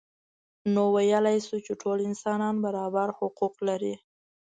نو ویلای شو چې ټول انسانان برابر حقوق لري.